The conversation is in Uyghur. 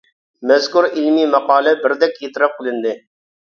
مەزكۇر ئىلمىي ماقالە بىردەك ئېتىراپ قىلىندى.